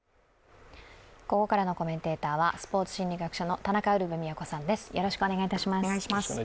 ここからのコメンテーターはスポーツ心理学者の田中ウルヴェ京さんです。